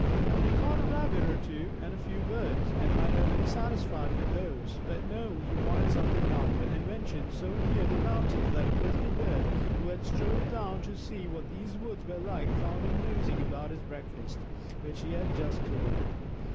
He caught a Rabbit or two and a few Birds, and might have been satisfied with those. But no he wanted something larger, and ventured so near the mountains that a Grizzly Bear, who had strolled down to see what these woods were like, found him nosing about his breakfast, which he had just killed.